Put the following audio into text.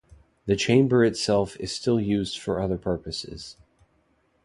The chamber itself is still used for other purposes.